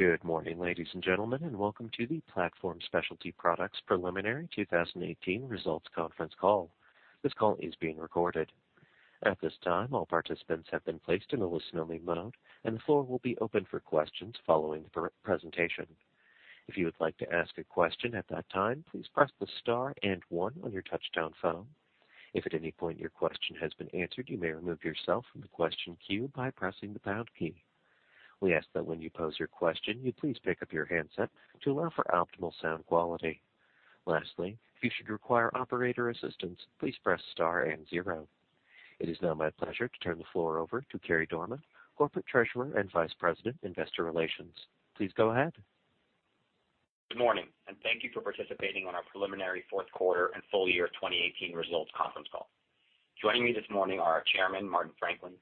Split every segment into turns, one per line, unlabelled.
Good morning, ladies and gentlemen, and welcome to the Platform Specialty Products preliminary 2018 results conference call. This call is being recorded. At this time, all participants have been placed in a listen-only mode, and the floor will be open for questions following the presentation. If you would like to ask a question at that time, please press the star and one on your touch-tone phone. If at any point your question has been answered, you may remove yourself from the question queue by pressing the pound key. We ask that when you pose your question, you please pick up your handset to allow for optimal sound quality. Lastly, if you should require operator assistance, please press star and zero. It is now my pleasure to turn the floor over to Carey Dorman, Corporate Treasurer and Vice President, Investor Relations. Please go ahead.
Good morning, and thank you for participating in our preliminary fourth quarter and full year 2018 results conference call. Joining me this morning are our Chairman, Martin Franklin,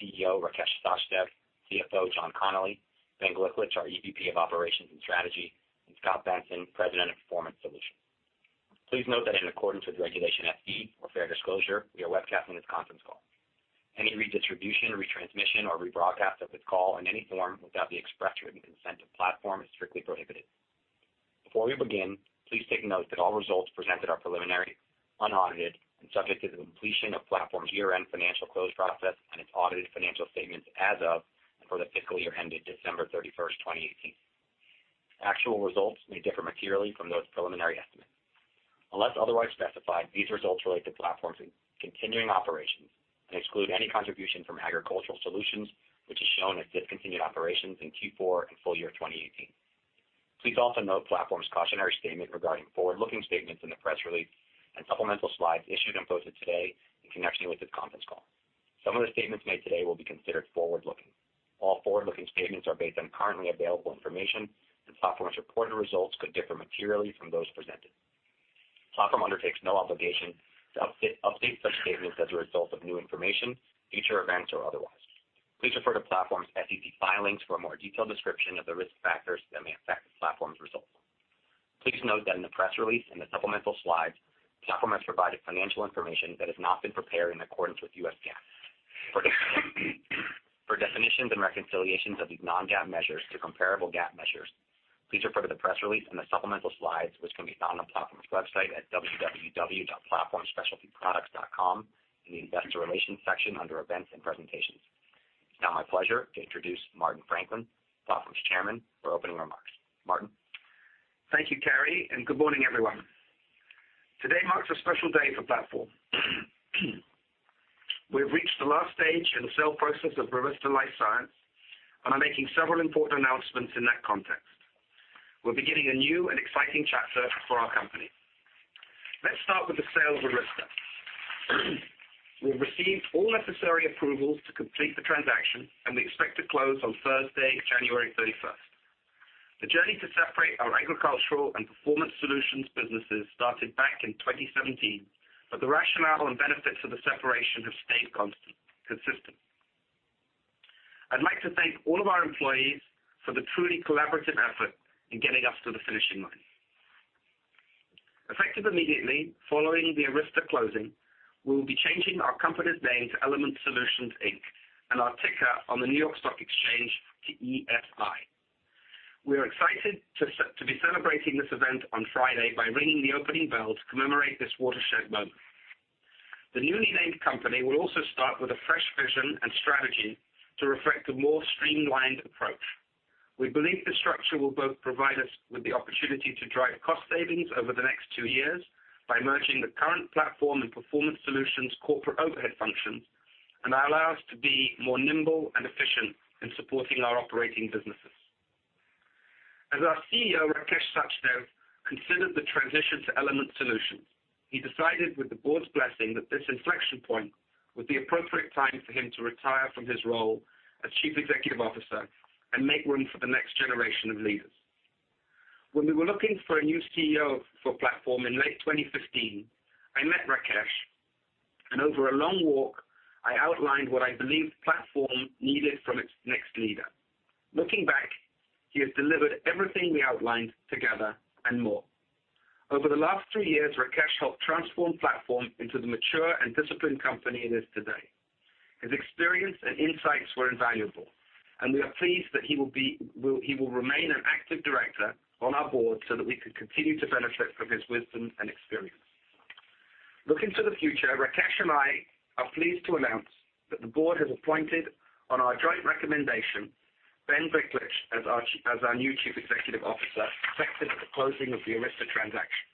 CEO, Rakesh Sachdev, CFO, John Connolly, Ben Gliklich, our EVP of Operations and Strategy, and Scot Benson, President of Performance Solutions. Please note that in accordance with Regulation FD, or fair disclosure, we are webcasting this conference call. Any redistribution, retransmission, or rebroadcast of this call in any form without the express written consent of Platform is strictly prohibited. Before we begin, please take note that all results presented are preliminary, unaudited, and subject to the completion of Platform's year-end financial close process and its audited financial statements as of and for the fiscal year ended December 31st, 2018. Actual results may differ materially from those preliminary estimates. Unless otherwise specified, these results relate to Platform's continuing operations and exclude any contribution from Agricultural Solutions, which is shown as discontinued operations in Q4 and full year 2018. Please also note Platform's cautionary statement regarding forward-looking statements in the press release and supplemental slides issued and posted today in connection with this conference call. Some of the statements made today will be considered forward-looking. All forward-looking statements are based on currently available information, and Platform's reported results could differ materially from those presented. Platform undertakes no obligation to update such statements as a result of new information, future events, or otherwise. Please refer to Platform's SEC filings for a more detailed description of the risk factors that may affect Platform's results. Please note that in the press release and the supplemental slides, Platform has provided financial information that has not been prepared in accordance with U.S. GAAP. For definitions and reconciliations of these non-GAAP measures to comparable GAAP measures, please refer to the press release and the supplemental slides, which can be found on Platform's website at www.platformspecialtyproducts.com in the investor relations section under events and presentations. It's now my pleasure to introduce Martin Franklin, Platform's Chairman, for opening remarks. Martin.
Thank you, Carey, and good morning, everyone. Today marks a special day for Platform. We've reached the last stage in the sale process of Arysta LifeScience and are making several important announcements in that context. We're beginning a new and exciting chapter for our company. Let's start with the sale of Arysta. We've received all necessary approvals to complete the transaction, and we expect to close on Thursday, January 31st. The journey to separate our Agricultural Solutions and Performance Solutions businesses started back in 2017, but the rationale and benefits of the separation have stayed consistent. I'd like to thank all of our employees for the truly collaborative effort in getting us to the finishing line. Effective immediately following the Arysta closing, we will be changing our company's name to Element Solutions Inc, and our ticker on the New York Stock Exchange to ESI. We are excited to be celebrating this event on Friday by ringing the opening bell to commemorate this watershed moment. The newly named company will also start with a fresh vision and strategy to reflect a more streamlined approach. We believe this structure will both provide us with the opportunity to drive cost savings over the next two years by merging the current Platform and Performance Solutions corporate overhead functions and allow us to be more nimble and efficient in supporting our operating businesses. As our CEO, Rakesh Sachdev, considered the transition to Element Solutions, he decided with the board's blessing that this inflection point was the appropriate time for him to retire from his role as chief executive officer and make room for the next generation of leaders. When we were looking for a new CEO for Platform in late 2015, I met Rakesh, and over a long walk, I outlined what I believed Platform needed from its next leader. Looking back, he has delivered everything we outlined together and more. Over the last three years, Rakesh helped transform Platform into the mature and disciplined company it is today. His experience and insights were invaluable, and we are pleased that he will remain an active director on our board so that we can continue to benefit from his wisdom and experience. Looking to the future, Rakesh and I are pleased to announce that the board has appointed, on our joint recommendation, Ben Gliklich as our new chief executive officer, effective at the closing of the Arysta transaction.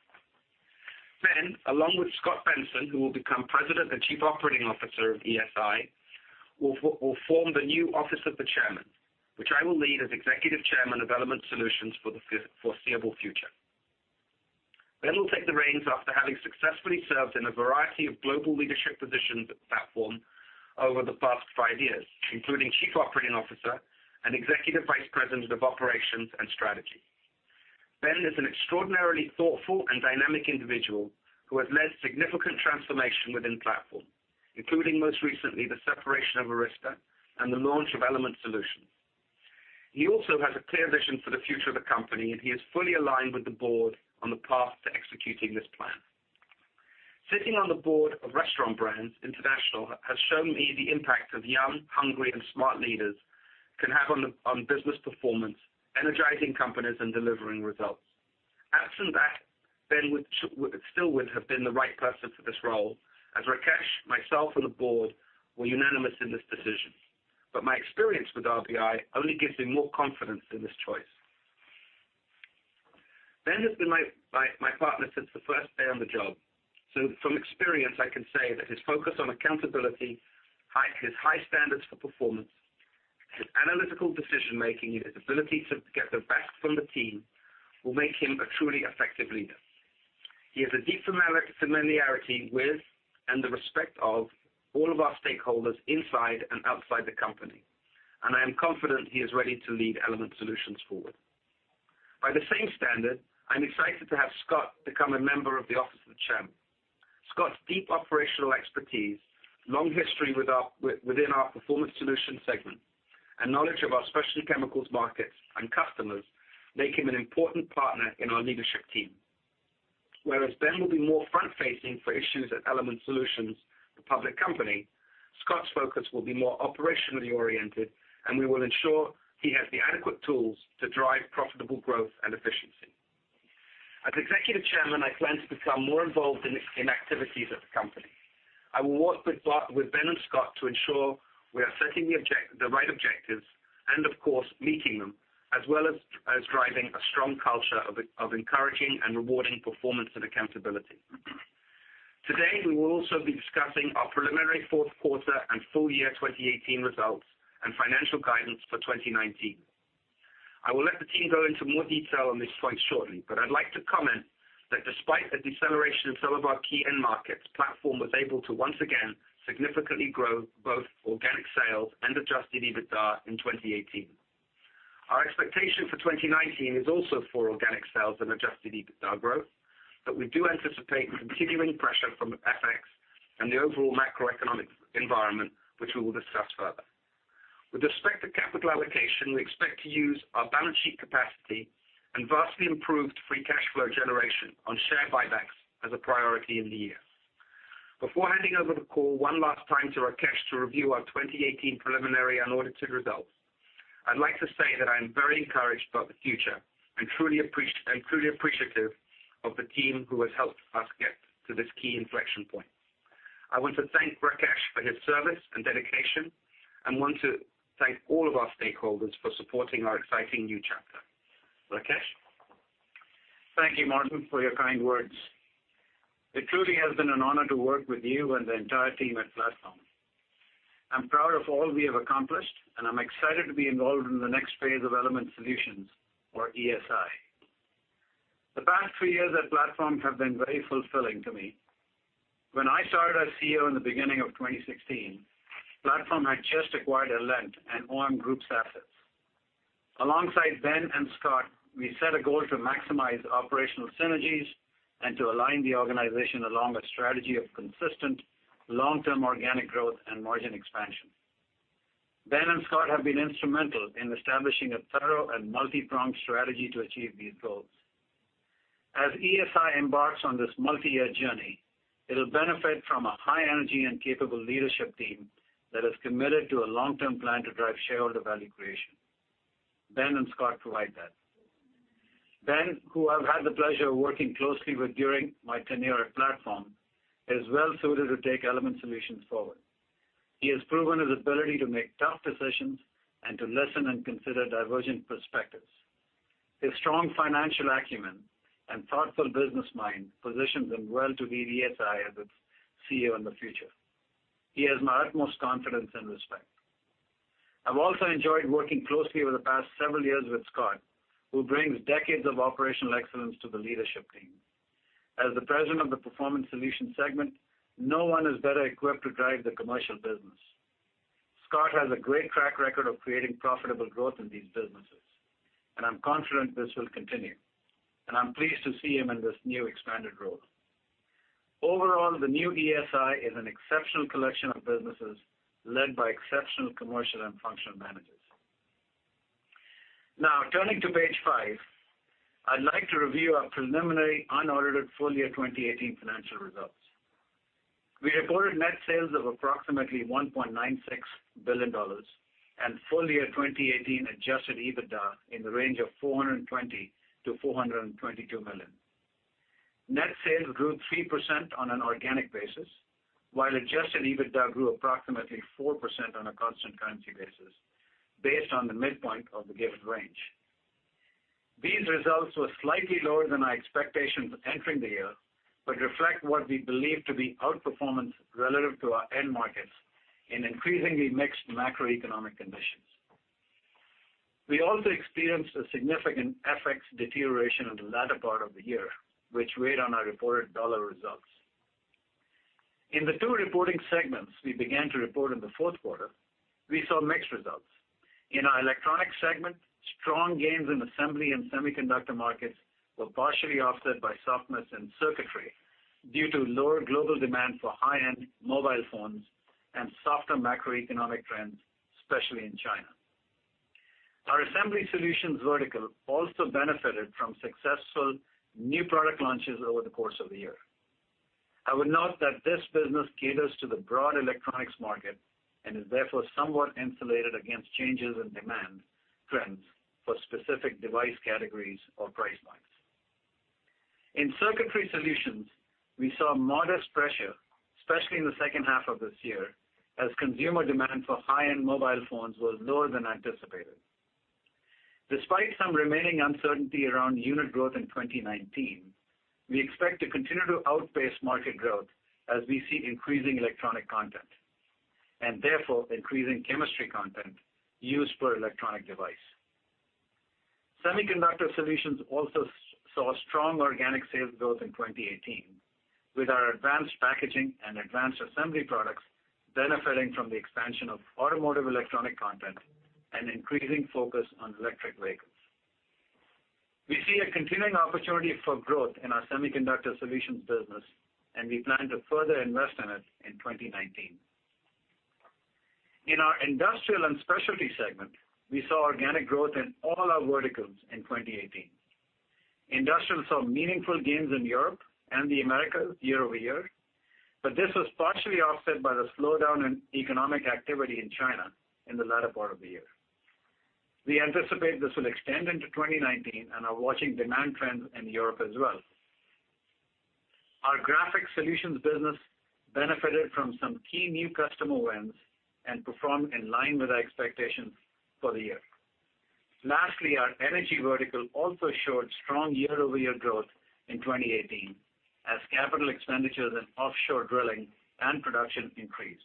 Ben, along with Scot Benson, who will become President and Chief Operating Officer of ESI, will form the new office of the Chairman, which I will lead as Executive Chairman of Element Solutions for the foreseeable future. Ben will take the reins after having successfully served in a variety of global leadership positions at Platform over the past five years, including Chief Operating Officer and Executive Vice President of Operations and Strategy. Ben is an extraordinarily thoughtful and dynamic individual who has led significant transformation within Platform, including, most recently, the separation of Arysta and the launch of Element Solutions. He also has a clear vision for the future of the company, he is fully aligned with the board on the path to executing this plan. Sitting on the board of Restaurant Brands International has shown me the impact young, hungry, and smart leaders can have on business performance, energizing companies and delivering results. Absent that, Ben still would have been the right person for this role, as Rakesh, myself, and the board were unanimous in this decision. My experience with RBI only gives me more confidence in this choice. Ben has been my partner since the first day on the job. From experience, I can say that his focus on accountability, his high standards for performance, his analytical decision-making, and his ability to get the best from the team will make him a truly effective leader. He has a deep familiarity with and the respect of all of our stakeholders inside and outside the company, I am confident he is ready to lead Element Solutions forward. By the same standard, I'm excited to have Scot become a member of the Office of the Chairman. Scot's deep operational expertise, long history within our Performance Solutions segment, and knowledge of our specialty chemicals markets and customers make him an important partner in our leadership team. Whereas Ben will be more front-facing for issues at Element Solutions, the public company, Scot's focus will be more operationally oriented, and we will ensure he has the adequate tools to drive profitable growth and efficiency. As executive chairman, I plan to become more involved in activities at the company. I will work with Ben and Scot to ensure we are setting the right objectives and, of course, meeting them, as well as driving a strong culture of encouraging and rewarding performance and accountability. Today, we will also be discussing our preliminary fourth quarter and full year 2018 results and financial guidance for 2019. I will let the team go into more detail on this point shortly, I'd like to comment that despite a deceleration in some of our key end markets, Platform was able to once again significantly grow both organic sales and adjusted EBITDA in 2018. Our expectation for 2019 is also for organic sales and adjusted EBITDA growth, we do anticipate continuing pressure from FX and the overall macroeconomic environment, which we will discuss further. With respect to capital allocation, we expect to use our balance sheet capacity and vastly improved free cash flow generation on share buybacks as a priority in the year. Before handing over the call one last time to Rakesh to review our 2018 preliminary unaudited results, I'd like to say that I am very encouraged about the future and truly appreciative of the team who has helped us get to this key inflection point. I want to thank Rakesh for his service and dedication and want to thank all of our stakeholders for supporting our exciting new chapter. Rakesh?
Thank you, Martin, for your kind words. It truly has been an honor to work with you and the entire team at Platform. I'm proud of all we have accomplished, and I'm excited to be involved in the next phase of Element Solutions or ESI. The past three years at Platform have been very fulfilling to me. When I started as CEO in the beginning of 2016, Platform had just acquired Alent and OM Group's assets. Alongside Ben and Scot, we set a goal to maximize operational synergies and to align the organization along a strategy of consistent long-term organic growth and margin expansion. Ben and Scot have been instrumental in establishing a thorough and multi-pronged strategy to achieve these goals. As ESI embarks on this multi-year journey, it will benefit from a high-energy and capable leadership team that is committed to a long-term plan to drive shareholder value creation. Ben and Scot provide that. Ben, who I've had the pleasure of working closely with during my tenure at Platform, is well-suited to take Element Solutions forward. He has proven his ability to make tough decisions and to listen and consider divergent perspectives. His strong financial acumen and thoughtful business mind positions him well to lead ESI as its CEO in the future. He has my utmost confidence and respect. I've also enjoyed working closely over the past several years with Scot, who brings decades of operational excellence to the leadership team. As the President of the Performance Solutions segment, no one is better equipped to drive the commercial business. Scot has a great track record of creating profitable growth in these businesses, and I'm confident this will continue, and I'm pleased to see him in this new expanded role. Overall, the new ESI is an exceptional collection of businesses led by exceptional commercial and functional managers. Turning to page five, I'd like to review our preliminary unaudited full-year 2018 financial results. We reported net sales of approximately $1.96 billion and full-year 2018 adjusted EBITDA in the range of $420 million-$422 million. Net sales grew 3% on an organic basis, while adjusted EBITDA grew approximately 4% on a constant currency basis based on the midpoint of the given range. These results were slightly lower than our expectations entering the year but reflect what we believe to be outperformance relative to our end markets in increasingly mixed macroeconomic conditions. We also experienced a significant FX deterioration in the latter part of the year, which weighed on our reported dollar results. In the two reporting segments we began to report in the fourth quarter, we saw mixed results. In our electronics segment, strong gains in assembly and semiconductor markets were partially offset by softness in circuitry due to lower global demand for high-end mobile phones and softer macroeconomic trends, especially in China. Our Assembly Solutions vertical also benefited from successful new product launches over the course of the year. I would note that this business caters to the broad electronics market and is therefore somewhat insulated against changes in demand trends for specific device categories or price points. In Circuitry Solutions, we saw modest pressure, especially in the second half of this year, as consumer demand for high-end mobile phones was lower than anticipated. Despite some remaining uncertainty around unit growth in 2019, we expect to continue to outpace market growth as we see increasing electronic content, and therefore increasing chemistry content used per electronic device. Semiconductor Solutions also saw strong organic sales growth in 2018, with our advanced packaging and advanced assembly products benefiting from the expansion of automotive electronic content and increasing focus on electric vehicles. We see a continuing opportunity for growth in our Semiconductor Solutions business. We plan to further invest in it in 2019. In our Industrial and Specialty segment, we saw organic growth in all our verticals in 2018. Industrial saw meaningful gains in Europe and the Americas year-over-year. This was partially offset by the slowdown in economic activity in China in the latter part of the year. We anticipate this will extend into 2019. We are watching demand trends in Europe as well. Our Graphics Solutions business benefited from some key new customer wins and performed in line with our expectations for the year. Lastly, our Energy vertical also showed strong year-over-year growth in 2018 as CapEx in offshore drilling and production increased,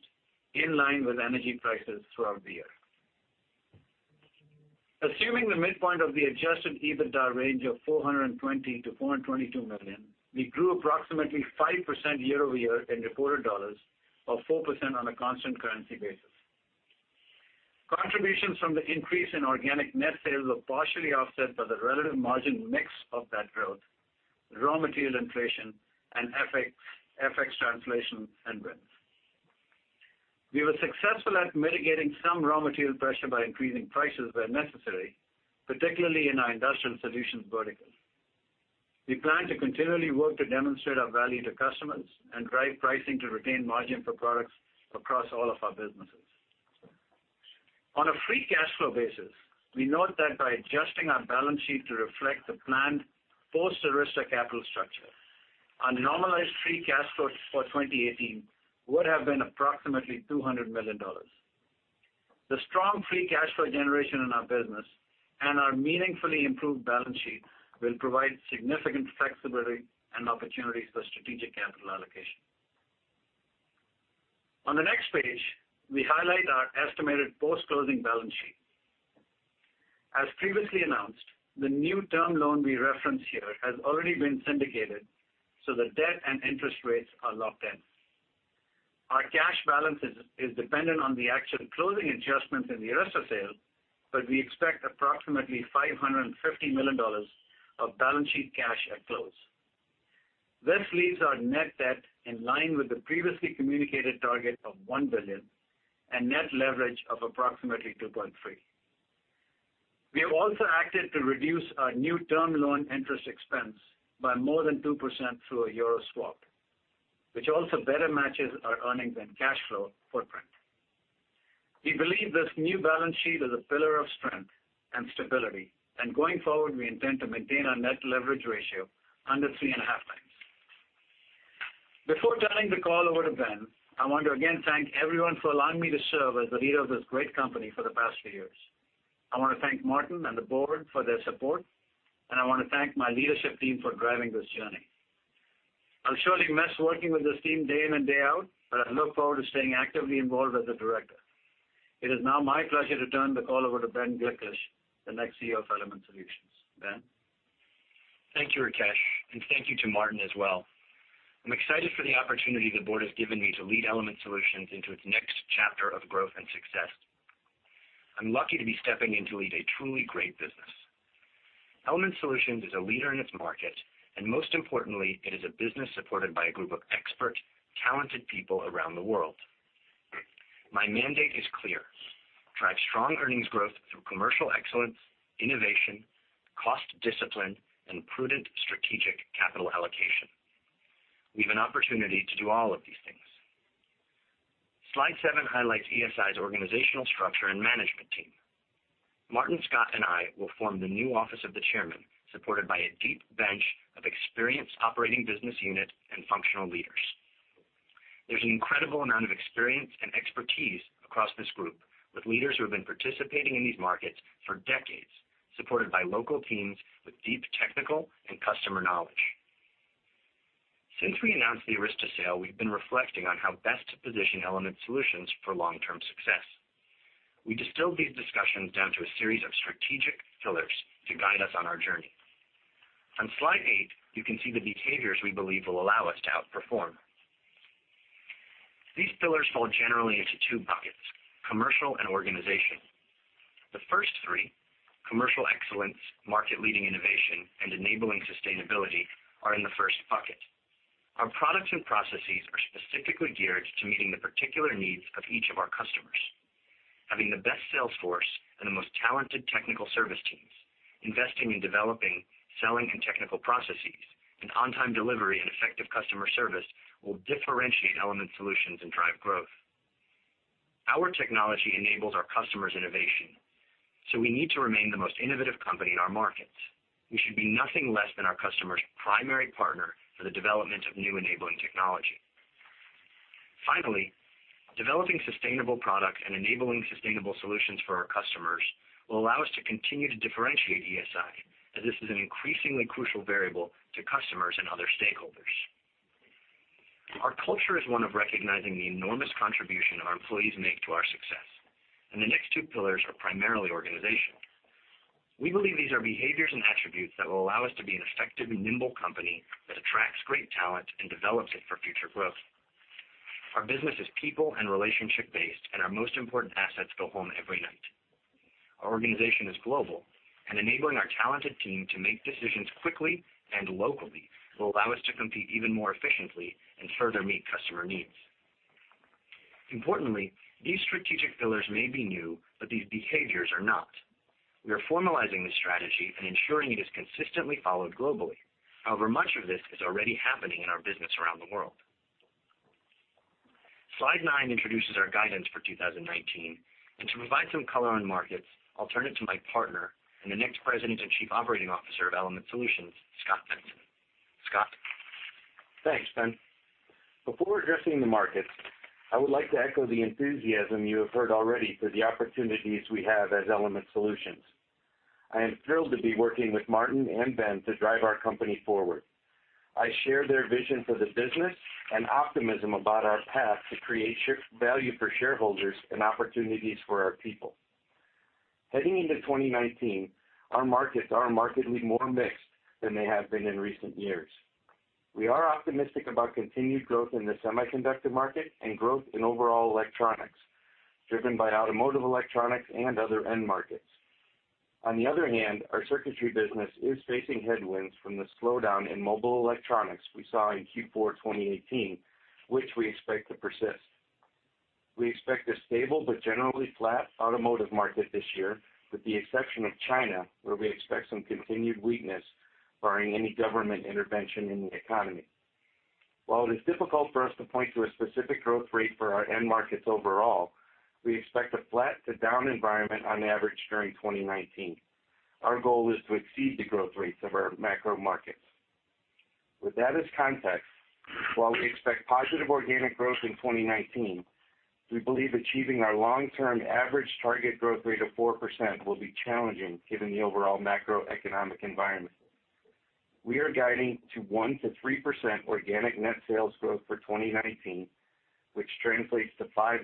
in line with energy prices throughout the year. Assuming the midpoint of the adjusted EBITDA range of $420 million-$422 million, we grew approximately 5% year-over-year in reported dollars or 4% on a constant currency basis. Contributions from the increase in organic net sales were partially offset by the relative margin mix of that growth, raw material inflation, and FX translation and rents. We were successful at mitigating some raw material pressure by increasing prices where necessary, particularly in our Industrial Solutions vertical. We plan to continually work to demonstrate our value to customers and drive pricing to retain margin for products across all of our businesses. On a free cash flow basis, we note that by adjusting our balance sheet to reflect the planned post-Arysta capital structure, our normalized free cash flow for 2018 would have been approximately $200 million. The strong free cash flow generation in our business and our meaningfully improved balance sheet will provide significant flexibility and opportunities for strategic capital allocation. On the next page, we highlight our estimated post-closing balance sheet. As previously announced, the new term loan we reference here has already been syndicated. The debt and interest rates are locked in. Our cash balance is dependent on the actual closing adjustments in the Arysta sale. We expect approximately $550 million of balance sheet cash at close. This leaves our net debt in line with the previously communicated target of $1 billion and net leverage of approximately 2.3. We have also acted to reduce our new term loan interest expense by more than 2% through a euro swap, which also better matches our earnings and cash flow footprint. We believe this new balance sheet is a pillar of strength and stability. Going forward, we intend to maintain our net leverage ratio under 3.5 times. Before turning the call over to Ben, I want to again thank everyone for allowing me to serve as the leader of this great company for the past few years. I want to thank Martin and the board for their support. I want to thank my leadership team for driving this journey. I will surely miss working with this team day in and day out. I look forward to staying actively involved as a director. It is now my pleasure to turn the call over to Ben Gliklich, the next CEO of Element Solutions. Ben?
Thank you, Rakesh, and thank you to Martin as well. I'm excited for the opportunity the board has given me to lead Element Solutions into its next chapter of growth and success. I'm lucky to be stepping in to lead a truly great business. Element Solutions is a leader in its market, and most importantly, it is a business supported by a group of expert, talented people around the world. My mandate is clear: Drive strong earnings growth through commercial excellence, innovation, cost discipline, and prudent strategic capital allocation. We have an opportunity to do all of these things. Slide seven highlights ESI's organizational structure and management team. Martin Scot and I will form the new office of the chairman, supported by a deep bench of experienced operating business unit and functional leaders. There's an incredible amount of experience and expertise across this group, with leaders who have been participating in these markets for decades, supported by local teams with deep technical and customer knowledge. Since we announced the Arysta sale, we've been reflecting on how best to position Element Solutions for long-term success. We distilled these discussions down to a series of strategic pillars to guide us on our journey. On slide eight, you can see the behaviors we believe will allow us to outperform. These pillars fall generally into two buckets: commercial and organization. The first three, commercial excellence, market-leading innovation, and enabling sustainability, are in the first bucket. Our products and processes are specifically geared to meeting the particular needs of each of our customers. Having the best sales force and the most talented technical service teams, investing in developing, selling, and technical processes, and on-time delivery and effective customer service will differentiate Element Solutions and drive growth. Our technology enables our customers' innovation, so we need to remain the most innovative company in our markets. We should be nothing less than our customers' primary partner for the development of new enabling technology. Finally, developing sustainable products and enabling sustainable solutions for our customers will allow us to continue to differentiate ESI, as this is an increasingly crucial variable to customers and other stakeholders. Our culture is one of recognizing the enormous contribution our employees make to our success, and the next two pillars are primarily organizational. We believe these are behaviors and attributes that will allow us to be an effective and nimble company that attracts great talent and develops it for future growth. Our business is people and relationship-based, our most important assets go home every night. Our organization is global, enabling our talented team to make decisions quickly and locally will allow us to compete even more efficiently and further meet customer needs. Importantly, these strategic pillars may be new, but these behaviors are not. We are formalizing this strategy and ensuring it is consistently followed globally. However, much of this is already happening in our business around the world. Slide nine introduces our guidance for 2019. To provide some color on markets, I'll turn it to my partner and the next President and Chief Operating Officer of Element Solutions, Scot Benson. Scot?
Thanks, Ben. Before addressing the markets, I would like to echo the enthusiasm you have heard already for the opportunities we have as Element Solutions. I am thrilled to be working with Martin and Ben to drive our company forward. I share their vision for the business and optimism about our path to create value for shareholders and opportunities for our people. Heading into 2019, our markets are markedly more mixed than they have been in recent years. We are optimistic about continued growth in the semiconductor market and growth in overall electronics, driven by automotive electronics and other end markets. On the other hand, our circuitry business is facing headwinds from the slowdown in mobile electronics we saw in Q4 2018, which we expect to persist. We expect a stable but generally flat automotive market this year, with the exception of China, where we expect some continued weakness barring any government intervention in the economy. While it is difficult for us to point to a specific growth rate for our end markets overall, we expect a flat to down environment on average during 2019. Our goal is to exceed the growth rates of our macro markets. With that as context, while we expect positive organic growth in 2019, we believe achieving our long-term average target growth rate of 4% will be challenging given the overall macroeconomic environment. We are guiding to 1%-3% organic net sales growth for 2019, which translates to 5%-8%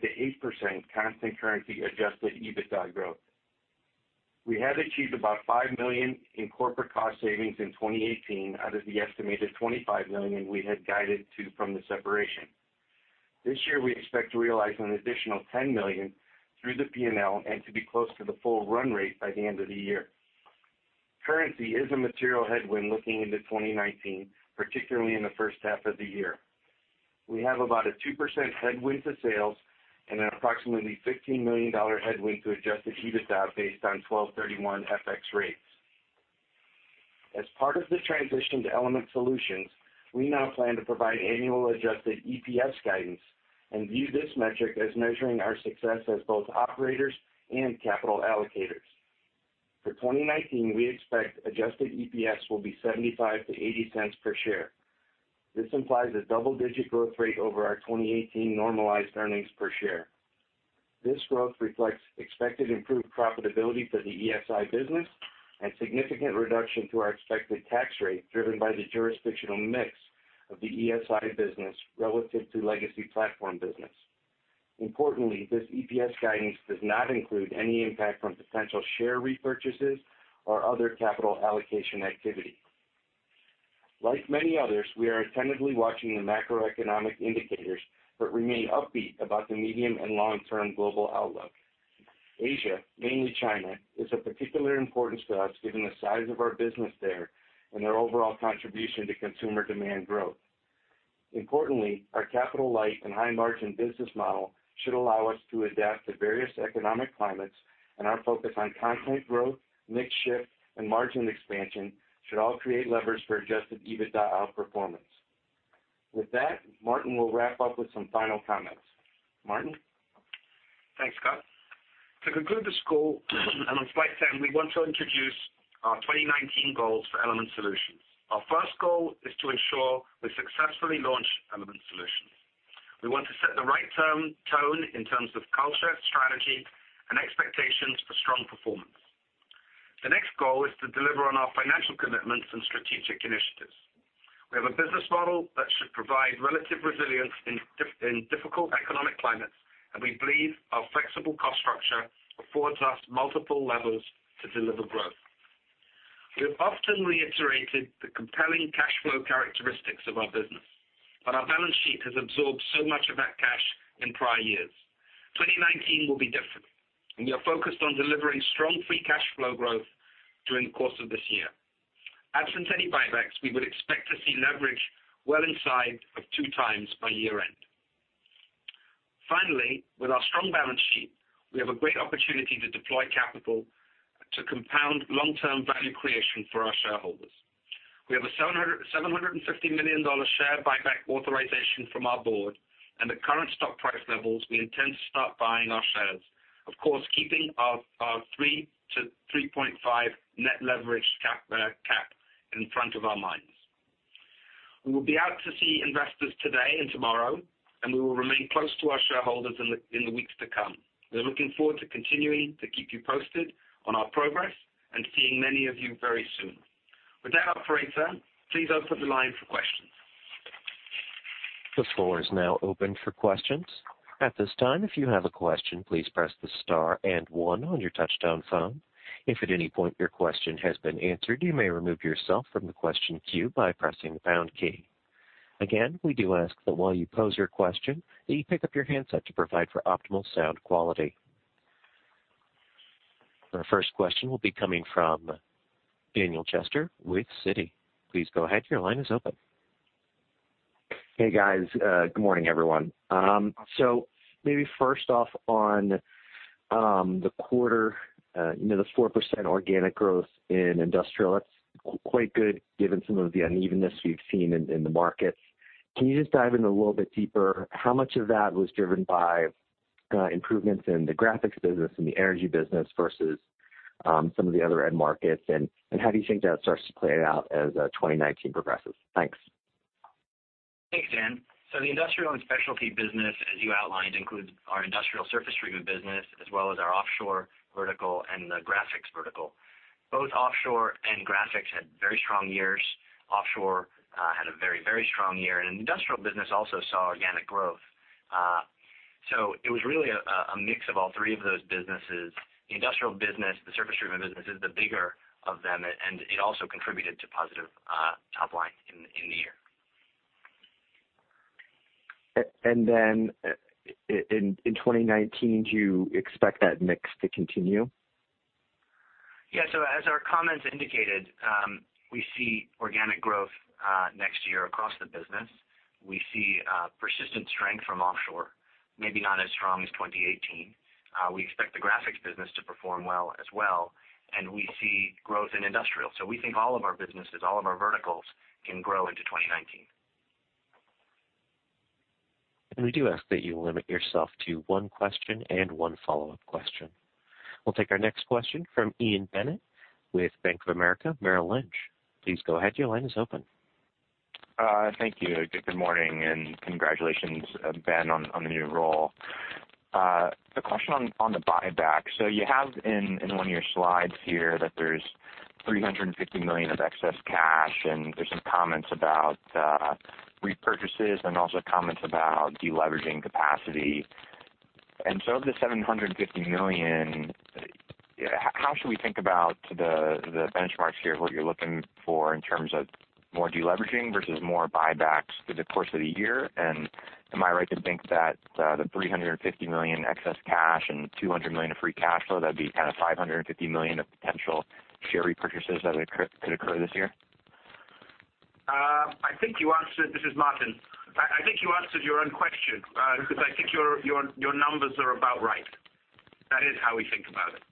constant currency adjusted EBITDA growth. We have achieved about $5 million in corporate cost savings in 2018 out of the estimated $25 million we had guided to from the separation. This year, we expect to realize an additional $10 million through the P&L and to be close to the full run rate by the end of the year. Currency is a material headwind looking into 2019, particularly in the first half of the year. We have about a 2% headwind to sales and an approximately $15 million headwind to adjusted EBITDA based on 12/31 FX rates. As part of the transition to Element Solutions, we now plan to provide annual adjusted EPS guidance and view this metric as measuring our success as both operators and capital allocators. For 2019, we expect adjusted EPS will be $0.75-$0.80 per share. This implies a double-digit growth rate over our 2018 normalized earnings per share. This growth reflects expected improved profitability for the ESI business and significant reduction to our expected tax rate, driven by the jurisdictional mix of the ESI business relative to legacy Platform business. Importantly, this EPS guidance does not include any impact from potential share repurchases or other capital allocation activity. Like many others, we are attentively watching the macroeconomic indicators but remain upbeat about the medium and long-term global outlook. Asia, mainly China, is of particular importance to us given the size of our business there and their overall contribution to consumer demand growth. Importantly, our capital light and high-margin business model should allow us to adapt to various economic climates, and our focus on content growth, mix shift, and margin expansion should all create levers for adjusted EBITDA outperformance. With that, Martin will wrap up with some final comments. Martin?
Thanks, Scot, on slide 10, we want to introduce our 2019 goals for Element Solutions. Our first goal is to ensure we successfully launch Element Solutions. We want to set the right tone in terms of culture, strategy, and expectations for strong performance. The next goal is to deliver on our financial commitments and strategic initiatives. We have a business model that should provide relative resilience in difficult economic climates, and we believe our flexible cost structure affords us multiple levers to deliver growth. We have often reiterated the compelling cash flow characteristics of our business, but our balance sheet has absorbed so much of that cash in prior years. 2019 will be different, we are focused on delivering strong free cash flow growth During the course of this year. Absent any buybacks, we would expect to see leverage well inside of two times by year-end. Finally, with our strong balance sheet, we have a great opportunity to deploy capital to compound long-term value creation for our shareholders. We have a $750 million share buyback authorization from our board, at current stock price levels, we intend to start buying our shares. Of course, keeping our 3-3.5 net leverage cap in front of our minds. We will be out to see investors today and tomorrow, we will remain close to our shareholders in the weeks to come. We're looking forward to continuing to keep you posted on our progress and seeing many of you very soon. With that, operator, please open the line for questions.
The floor is now open for questions. At this time, if you have a question, please press the star and one on your touchtone phone. If at any point your question has been answered, you may remove yourself from the question queue by pressing the pound key. We do ask that while you pose your question, that you pick up your handset to provide for optimal sound quality. Our first question will be coming from Daniel Chester with Citi. Please go ahead, your line is open.
Hey, guys. Good morning, everyone. Maybe first off on the quarter, the 4% organic growth in industrial, that's quite good given some of the unevenness we've seen in the markets. Can you just dive in a little bit deeper? How much of that was driven by improvements in the Graphics Solutions business and the energy business versus some of the other end markets? How do you think that starts to play out as 2019 progresses? Thanks.
Thanks, Dan. The industrial and specialty business, as you outlined, includes our industrial surface treatment business as well as our offshore vertical and the Graphics Solutions vertical. Both offshore and Graphics Solutions had very strong years. Offshore had a very strong year. Industrial business also saw organic growth. It was really a mix of all three of those businesses. The industrial business, the surface treatment business, is the bigger of them, and it also contributed to positive top line in the year.
In 2019, do you expect that mix to continue?
Yeah. As our comments indicated, we see organic growth next year across the business. We see persistent strength from offshore, maybe not as strong as 2018. We expect the Graphics Solutions business to perform well as well. We see growth in industrial. We think all of our businesses, all of our verticals, can grow into 2019.
We do ask that you limit yourself to one question and one follow-up question. We will take our next question from Ian Bennett with Bank of America Merrill Lynch. Please go ahead, your line is open.
Thank you. Good morning, and congratulations, Ben, on the new role. A question on the buyback. You have in one of your slides here that there is $350 million of excess cash, there is some comments about repurchases and also comments about deleveraging capacity. Of the $750 million, how should we think about the benchmarks here, what you are looking for in terms of more deleveraging versus more buybacks through the course of the year? Am I right to think that the $350 million excess cash and $200 million of free cash flow, that would be $550 million of potential share repurchases that could occur this year?
This is Martin. I think you answered your own question, because I think your numbers are about right. That is how we think about it.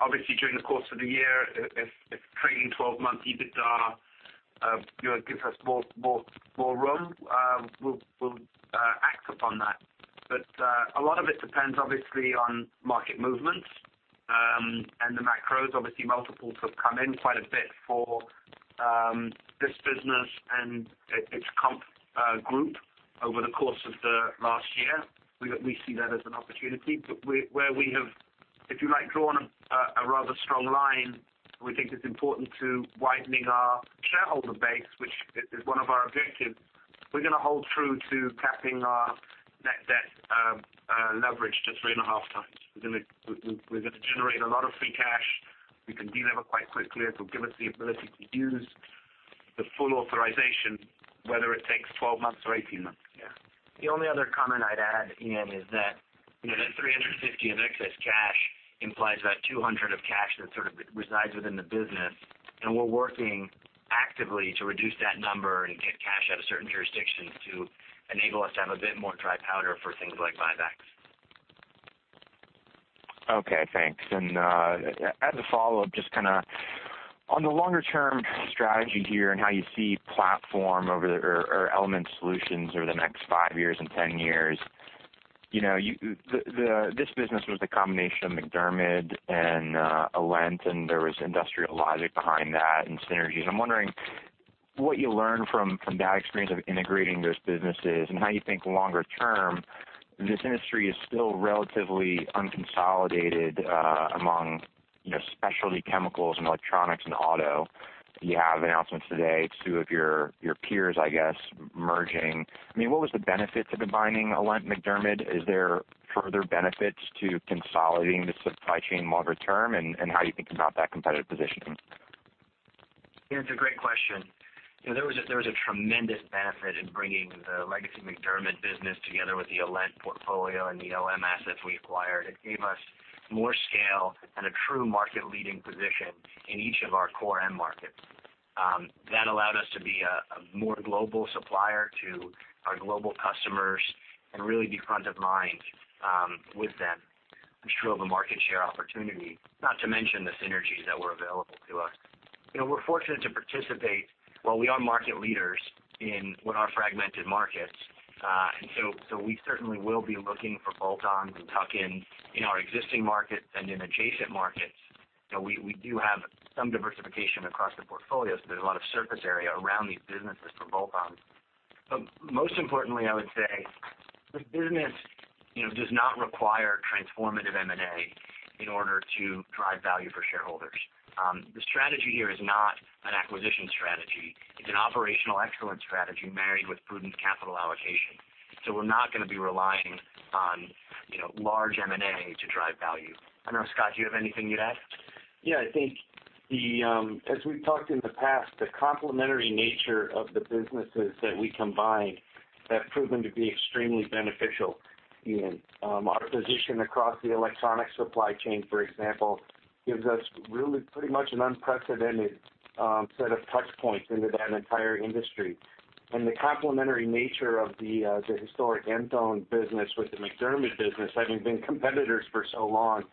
Obviously, during the course of the year, if trading 12-months EBITDA gives us more room, we will act upon that. A lot of it depends, obviously, on market movements, the macros. Obviously, multiples have come in quite a bit for this business and its comp group over the course of the last year. We see that as an opportunity. Where we have, if you like, drawn a rather strong line, we think it is important to widening our shareholder base, which is one of our objectives. We are going to hold true to capping our net debt leverage to 3.5 times. We are going to generate a lot of free cash. We can delever quite quickly. It will give us the ability to use the full authorization, whether it takes 12-months or 18-months.
Yeah. The only other comment I'd add, Ian, is that the $350 of excess cash implies about $200 of cash that sort of resides within the business, and we're working actively to reduce that number and get cash out of certain jurisdictions to enable us to have a bit more dry powder for things like buybacks.
Okay, thanks. As a follow-up, just on the longer-term strategy here and how you see Platform or Element Solutions over the next five years and 10-years. This business was the combination of MacDermid and Alent, and there was industrial logic behind that and synergies. I'm wondering what you learned from that experience of integrating those businesses and how you think longer term this industry is still relatively unconsolidated among specialty chemicals and electronics and auto. You have announcements today, two of your peers, I guess, merging. What was the benefit to combining Alent and MacDermid? Is there further benefits to consolidating the supply chain longer term, and how are you thinking about that competitive positioning?
It's a great question. There was a tremendous benefit in bringing the legacy MacDermid business together with the Alent portfolio and the OM assets we acquired. It gave us more scale and a true market-leading position in each of our core end markets. That allowed us to be a more global supplier to our global customers and really be front of mind with them, which drove a market share opportunity, not to mention the synergies that were available to us. We're fortunate to participate. Well, we are market leaders in what are fragmented markets. So we certainly will be looking for bolt-ons and tuck-ins in our existing markets and in adjacent markets. We do have some diversification across the portfolio, so there's a lot of surface area around these businesses for bolt-ons. Most importantly, I would say, the business does not require transformative M&A in order to drive value for shareholders. The strategy here is not an acquisition strategy. It's an operational excellence strategy married with prudent capital allocation. We're not going to be relying on large M&A to drive value. I don't know, Scot, do you have anything you'd add?
I think as we've talked in the past, the complementary nature of the businesses that we combined have proven to be extremely beneficial. Our position across the electronics supply chain, for example, gives us really pretty much an unprecedented set of touch points into that entire industry. The complementary nature of the historic Enthone business with the MacDermid business, having been competitors for so long,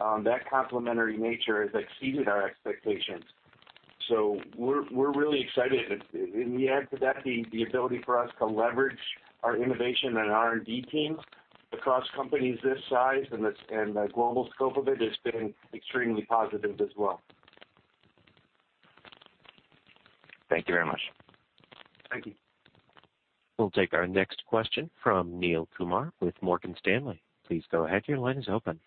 that complementary nature has exceeded our expectations. We're really excited. We add to that the ability for us to leverage our innovation and R&D teams across companies this size, and the global scope of it has been extremely positive as well.
Thank you very much.
Thank you.
We'll take our next question from Neel Kumar with Morgan Stanley. Please go ahead. Your line is open.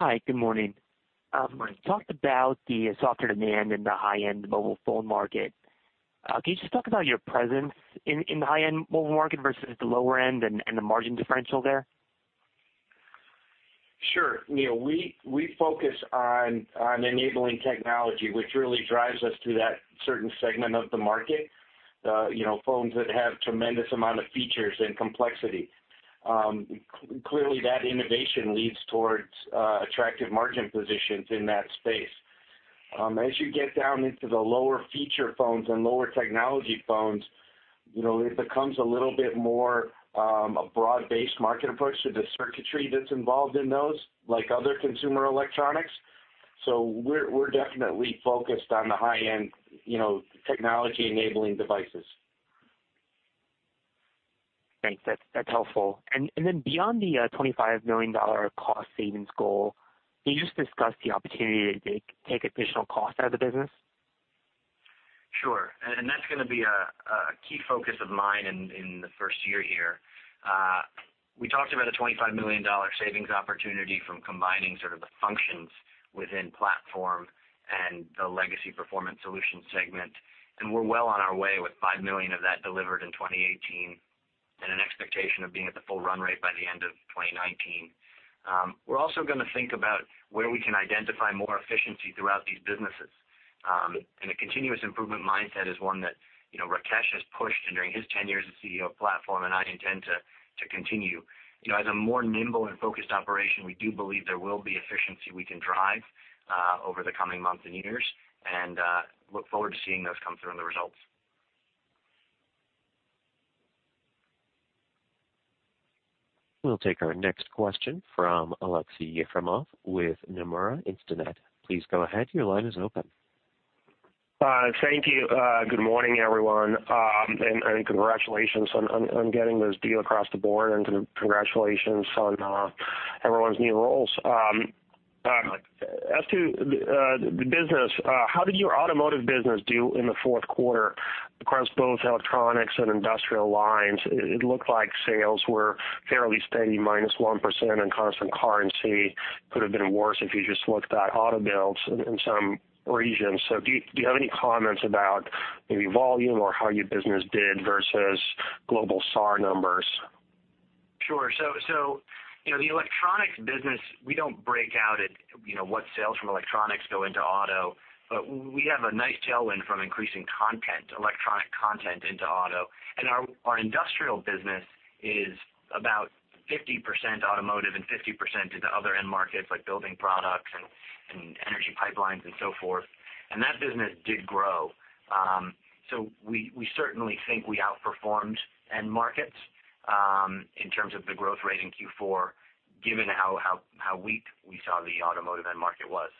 Hi, good morning.
Good morning.
You talked about the softer demand in the high-end mobile phone market. Can you just talk about your presence in the high-end mobile market versus the lower end and the margin differential there?
Sure. Neel, we focus on enabling technology, which really drives us to that certain segment of the market. Phones that have tremendous amount of features and complexity. Clearly, that innovation leads towards attractive margin positions in that space. As you get down into the lower feature phones and lower technology phones, it becomes a little bit more a broad-based market approach to the circuitry that's involved in those, like other consumer electronics. We're definitely focused on the high-end technology-enabling devices.
Thanks. That's helpful. Then beyond the $25 million cost savings goal, can you just discuss the opportunity to take additional cost out of the business?
Sure. That's going to be a key focus of mine in the first year here. We talked about a $25 million savings opportunity from combining sort of the functions within Platform and the legacy Performance Solutions segment. We're well on our way with $5 million of that delivered in 2018 and an expectation of being at the full run rate by the end of 2019. We're also going to think about where we can identify more efficiency throughout these businesses. A continuous improvement mindset is one that Rakesh has pushed during his tenure as the CEO of Platform, and I intend to continue. As a more nimble and focused operation, we do believe there will be efficiency we can drive over the coming months and years, and look forward to seeing those come through in the results.
We'll take our next question from Aleksey Yefremov with Nomura Instinet. Please go ahead. Your line is open.
Thank you. Good morning, everyone, and congratulations on getting this deal across the board and congratulations on everyone's new roles.
Thank you.
As to the business, how did your automotive business do in the fourth quarter across both electronics and industrial lines? It looked like sales were fairly steady, -1% in constant currency. Could have been worse if you just looked at auto builds in some regions. Do you have any comments about maybe volume or how your business did versus global SAR numbers?
Sure. The electronics business, we don't break out at what sales from electronics go into auto, but we have a nice tailwind from increasing content, electronic content into auto. Our industrial business is about 50% automotive and 50% into other end markets like building products and energy pipelines and so forth. That business did grow. We certainly think we outperformed end markets in terms of the growth rate in Q4, given how weak we saw the automotive end market was.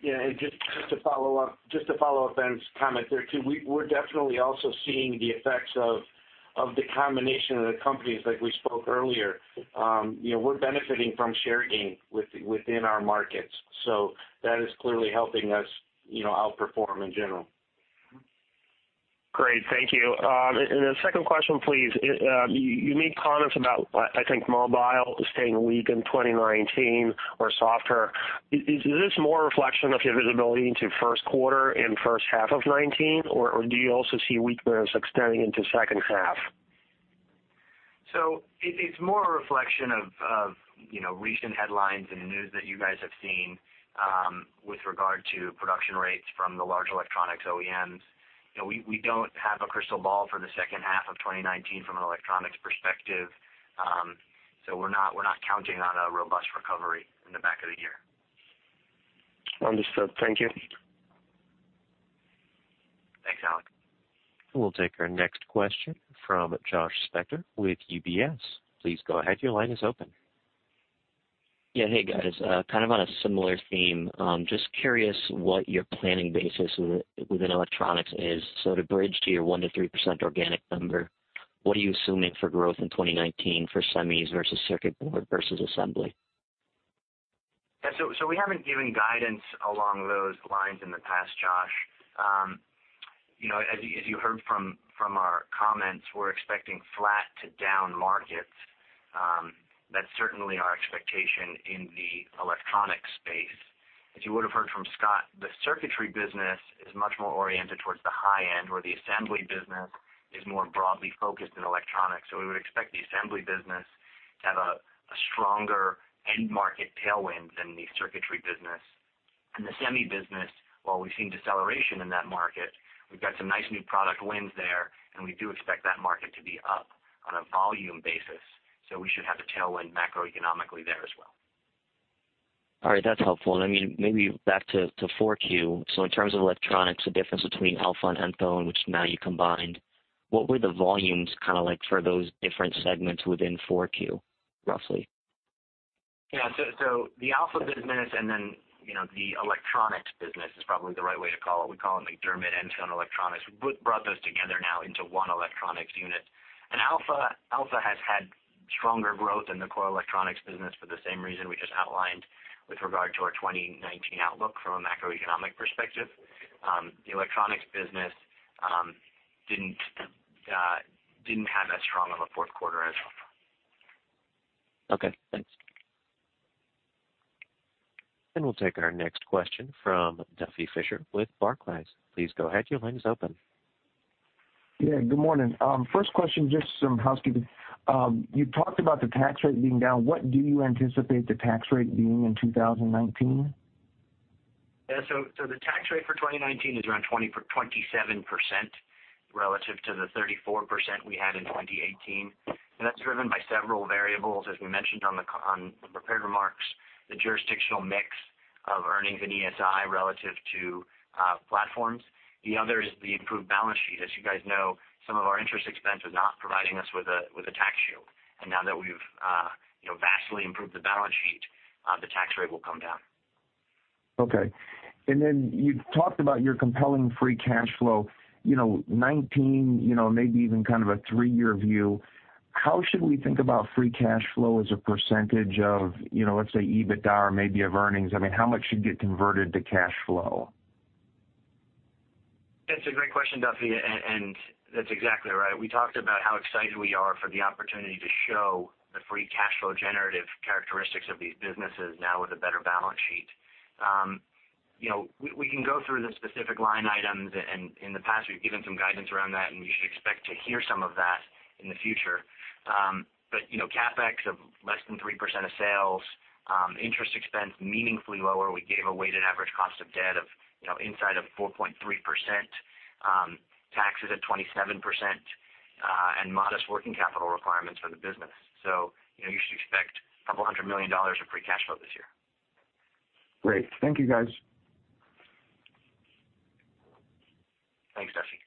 Yeah, just to follow up on Ben's comment there, too. We're definitely also seeing the effects of the combination of the companies like we spoke earlier. We're benefiting from share gain within our markets. That is clearly helping us outperform in general.
Great. Thank you. The second question, please. You made comments about, I think, mobile staying weak in 2019 or softer. Is this more a reflection of your visibility into first quarter and first half of 2019, or do you also see weakness extending into second half?
It's more a reflection of recent headlines and news that you guys have seen with regard to production rates from the large electronics OEMs. We don't have a crystal ball for the second half of 2019 from an electronics perspective. We're not counting on a robust recovery in the back of the year.
Understood. Thank you.
Thanks, Aleksey Yefremov.
We'll take our next question from Josh Spector with UBS. Please go ahead, your line is open.
Yeah. Hey, guys. Kind of on a similar theme, just curious what your planning basis within electronics is. To bridge to your 1%-3% organic number, what are you assuming for growth in 2019 for semis versus circuit board versus assembly?
Yeah. We haven't given guidance along those lines in the past, Josh. As you heard from our comments, we're expecting flat to down markets. That's certainly our expectation in the electronic space. As you would've heard from Scot, the circuitry business is much more oriented towards the high end, where the assembly business is more broadly focused in electronics. In the semi business, while we've seen deceleration in that market, we've got some nice new product wins there, and we do expect that market to be up on a volume basis. We should have a tailwind macroeconomically there as well.
All right. That's helpful. Maybe back to 4Q. In terms of electronics, the difference between Alpha and Enthone, which now you combined, what were the volumes kind of like for those different segments within 4Q, roughly?
Yeah. The Alpha business and then the electronics business is probably the right way to call it. We call them MacDermid, Enthone, electronics. We brought those together now into one electronics unit. Alpha has had stronger growth in the core electronics business for the same reason we just outlined with regard to our 2019 outlook from a macroeconomic perspective. The electronics business didn't have as strong of a fourth quarter as Alpha.
Okay, thanks.
We'll take our next question from Duffy Fischer with Barclays. Please go ahead, your line is open.
Yeah, good morning. First question, just some housekeeping. You talked about the tax rate being down. What do you anticipate the tax rate being in 2019?
Yeah. That's driven by several variables, as we mentioned on the prepared remarks, the jurisdictional mix of earnings and ESI relative to Platform. The other is the improved balance sheet. As you guys know, some of our interest expense was not providing us with a tax shield. Now that we've vastly improved the balance sheet, the tax rate will come down.
Okay. Then you talked about your compelling free cash flow, 2019, maybe even kind of a three year view. How should we think about free cash flow as a percentage of, let's say, EBITDA or maybe of earnings? I mean, how much should get converted to cash flow?
That's a great question, Duffy, and that's exactly right. We talked about how excited we are for the opportunity to show the free cash flow generative characteristics of these businesses now with a better balance sheet. We can go through the specific line items, and in the past we've given some guidance around that, and you should expect to hear some of that in the future. CapEx of less than 3% of sales, interest expense meaningfully lower. We gave a weighted average cost of debt inside of 4.3%, taxes at 27%, and modest working capital requirements for the business. You should expect a couple $100 million of free cash flow this year.
Great. Thank you, guys.
Thanks, Duffy.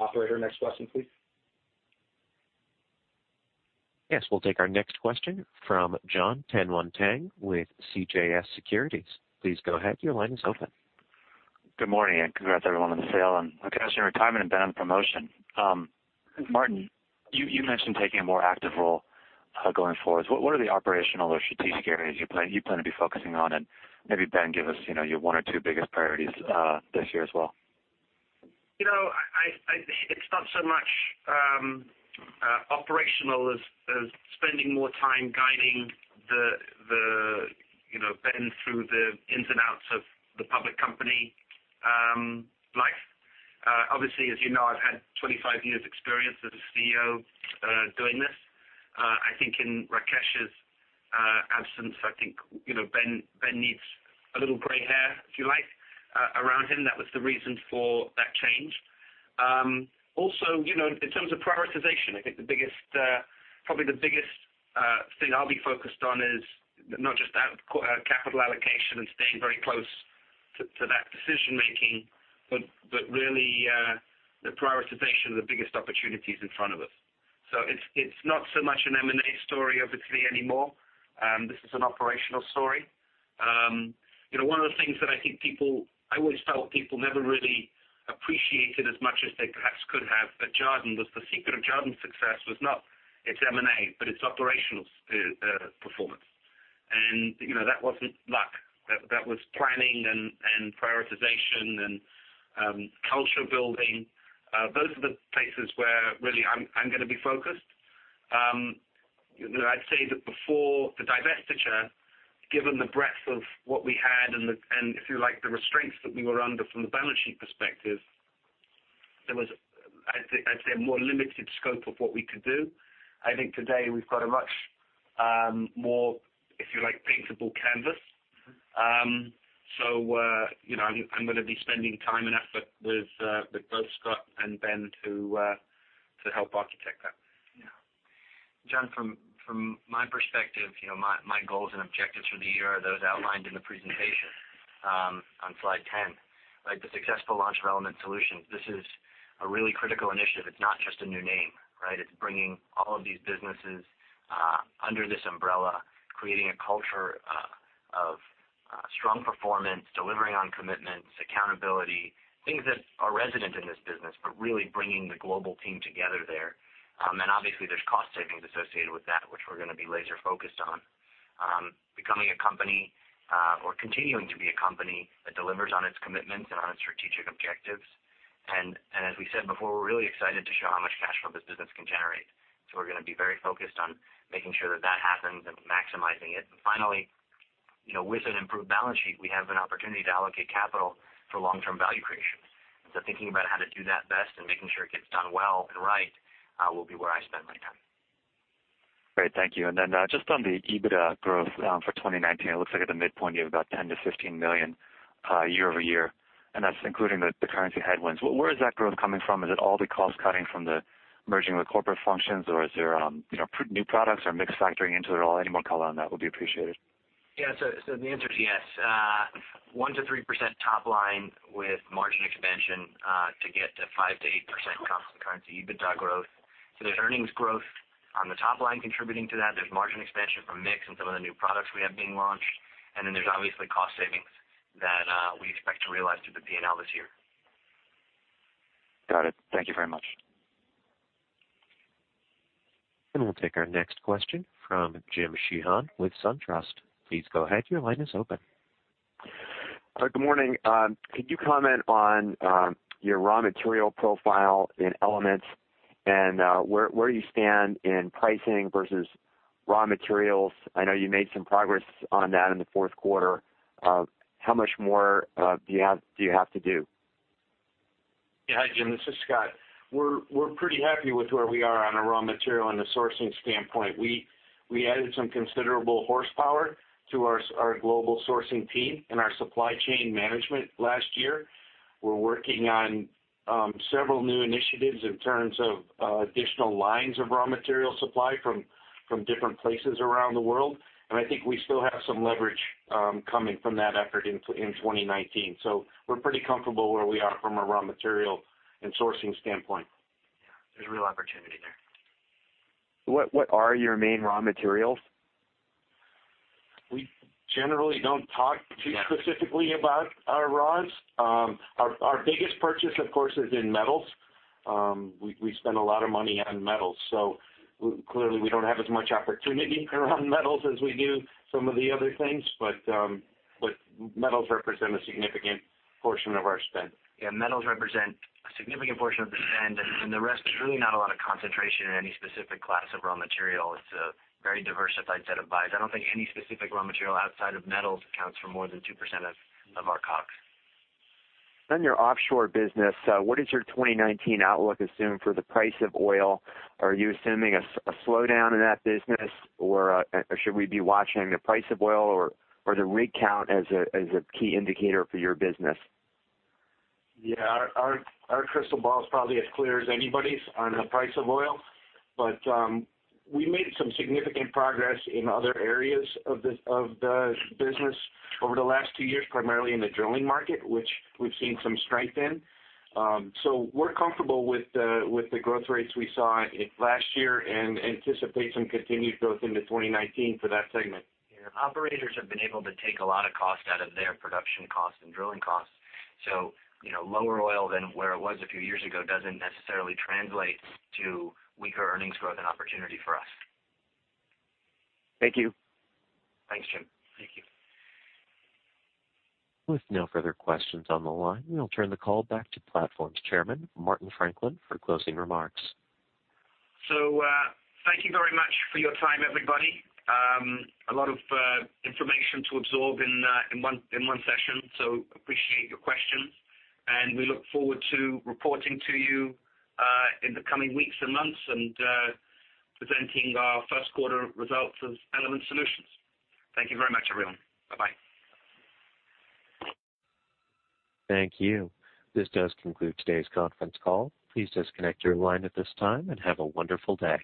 Operator, next question please.
Yes. We'll take our next question from Jonathan Tanwanteng with CJS Securities. Please go ahead, your line is open.
Good morning, congrats everyone on the sale and Rakesh on retirement and Ben on promotion. Martin, you mentioned taking a more active role going forward. What are the operational or strategic areas you plan to be focusing on? Maybe Ben, give us your one or two biggest priorities this year as well.
It's not so much operational as spending more time guiding Ben through the ins and outs of the public company life. Obviously, as you know, I've had 25 years experience as a CEO doing this. I think in Rakesh's absence, I think Ben needs a little gray hair, if you like, around him. That was the reason for that change. In terms of prioritization, I think probably the biggest thing I'll be focused on is not just capital allocation and staying very close to that decision making, but really the prioritization of the biggest opportunities in front of us. It's not so much an M&A story, obviously, anymore. This is an operational story. One of the things that I always felt people never really appreciated as much as they perhaps could have at Jarden was the secret of Jarden's success was not its M&A, but its operational performance. That wasn't luck. That was planning and prioritization and culture building. Those are the places where really I'm going to be focused. I'd say that before the divestiture, given the breadth of what we had and if you like, the restraints that we were under from the balance sheet perspective, there was, I'd say, a more limited scope of what we could do. I think today we've got a much more, if you like, paintable canvas. I'm going to be spending time and effort with both Scot and Ben to help architect that.
Jonathan, from my perspective, my goals and objectives for the year are those outlined in the presentation on slide 10. The successful launch of Element Solutions, this is a really critical initiative. It's not just a new name, right? It's bringing all of these businesses under this umbrella, creating a culture of strong performance, delivering on commitments, accountability, things that are resident in this business, but really bringing the global team together there. Obviously, there's cost savings associated with that, which we're going to be laser focused on. Becoming a company or continuing to be a company that delivers on its commitments and on its strategic objectives. As we said before, we're really excited to show how much cash flow this business can generate. We're going to be very focused on making sure that that happens and maximizing it. Finally, with an improved balance sheet, we have an opportunity to allocate capital for long-term value creation. Thinking about how to do that best and making sure it gets done well and right will be where I spend my time.
Great. Thank you. Just on the EBITDA growth for 2019, it looks like at the midpoint, you have about $10 million-$15 million year-over-year, and that's including the currency headwinds. Where is that growth coming from? Is it all the cost cutting from the merging of the corporate functions, or is there new products or mix factoring into it at all? Any more color on that would be appreciated.
The answer is yes. 1%-3% top line with margin expansion to get to 5%-8% constant currency EBITDA growth. There's earnings growth on the top line contributing to that. There's margin expansion from mix and some of the new products we have being launched. There's obviously cost savings that we expect to realize through the P&L this year.
Got it. Thank you very much.
We'll take our next question from Jim Sheehan with SunTrust. Please go ahead, your line is open.
Good morning. Could you comment on your raw material profile in Elements and where you stand in pricing versus raw materials? I know you made some progress on that in the fourth quarter. How much more do you have to do?
Hi, Jim, this is Scot. We're pretty happy with where we are on a raw material and a sourcing standpoint. We added some considerable horsepower to our global sourcing team and our supply chain management last year. We're working on several new initiatives in terms of additional lines of raw material supply from different places around the world. I think we still have some leverage coming from that effort in 2019. We're pretty comfortable where we are from a raw material and sourcing standpoint.
There's real opportunity there.
What are your main raw materials?
We generally don't talk too specifically about our raws. Our biggest purchase, of course, is in metals. We spend a lot of money on metals, clearly we don't have as much opportunity around metals as we do some of the other things. Metals represent a significant portion of our spend.
Metals represent a significant portion of the spend, the rest is really not a lot of concentration in any specific class of raw material. It's a very diversified set of buys. I don't think any specific raw material outside of metals accounts for more than 2% of our COGS.
On your offshore business, what is your 2019 outlook assume for the price of oil? Are you assuming a slowdown in that business, or should we be watching the price of oil or the rig count as a key indicator for your business?
Our crystal ball is probably as clear as anybody's on the price of oil, we made some significant progress in other areas of the business over the last two years, primarily in the drilling market, which we've seen some strength in. We're comfortable with the growth rates we saw last year and anticipate some continued growth into 2019 for that segment.
Yeah. Operators have been able to take a lot of cost out of their production costs and drilling costs. Lower oil than where it was a few years ago doesn't necessarily translate to weaker earnings growth and opportunity for us.
Thank you.
Thanks, Jim.
Thank you.
With no further questions on the line, I'll turn the call back to Platform's chairman, Martin Franklin, for closing remarks.
Thank you very much for your time, everybody. A lot of information to absorb in one session, appreciate your questions, and we look forward to reporting to you in the coming weeks and months and presenting our first quarter results of Element Solutions. Thank you very much, everyone. Bye-bye.
Thank you. This does conclude today's conference call. Please disconnect your line at this time and have a wonderful day.